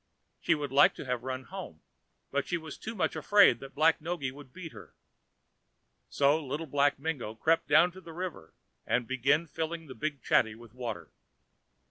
She would have liked to run home, but she was too much afraid that Black Noggy would beat her. So Little Black Mingo crept down to the river, and began to fill the big chatty with water.